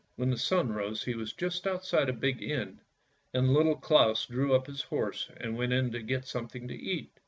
When the sun rose he was just outside a big inn, and Little Claus drew up his horse and went in to get something to eat.